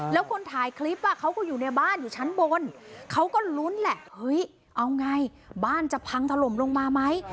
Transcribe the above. แล้วคนถ่ายคลิปเขาก็อยู่ในบ้านอยู่ชั้นบนเขาก็ลุ้นแหละเฮ้ยเอาไงบ้านจะพังถล่มลงมาไหม